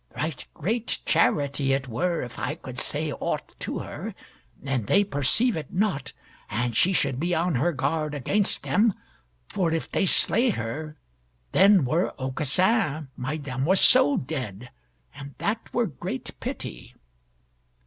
Right great charity it were if I could say aught to her, and they perceive it not, and she should be on her guard against them, for if they slay her, then were Aucassin, my damoiseau, dead, and that were great pity."